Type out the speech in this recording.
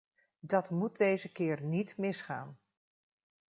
Dat moet deze keer niet misgaan.